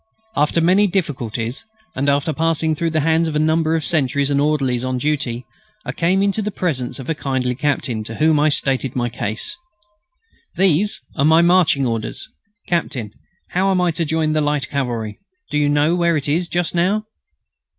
After many difficulties, and after passing through the hands of a number of sentries and orderlies on duty, I came into the presence of a kindly captain, to whom I stated my case: "These are my marching orders, Captain; I am to join the Light Cavalry. Do you know where it is just now?"